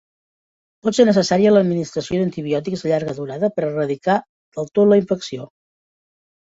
Pot ser necessària l'administració d'antibiòtics de llarga durada per erradicar del tot la infecció.